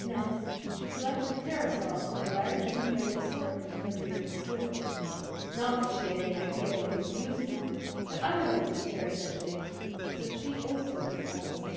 Next she selected a parasol from a large and varied assortment in the rear of the store. Not that she had any idea what it was used for; but other ladies carried such things, so she also would have one.